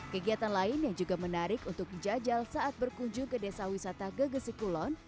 kegiatan lain yang juga menarik untuk dijajal saat berkunjung ke desa wisata gegesi kulon